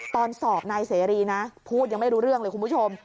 ตอนสอบนายเสรีนะพูดยังไม่รู้เรื่องเลยคุณผู้ชม